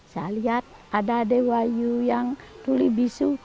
saya lihat ada dewayu yang tulibisu